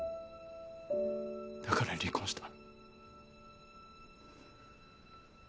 だから離婚した。